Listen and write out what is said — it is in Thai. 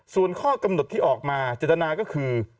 ส่วนข้อกำหนดที่ออกมาเจตนาก็คือ